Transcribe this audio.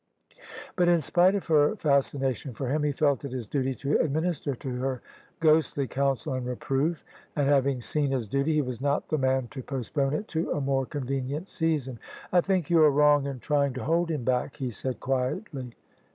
But in spite of her fas cination for him, he fdt it his duty to administer to her ghostly counsel and reproof: and — Shaving seen his duty — he was not the man to postpone it to a more convenient season. " I think you are wrong in trying to hold him back," he said quietly.